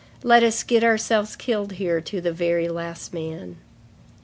Let us get ourselves killed here, to the very last man."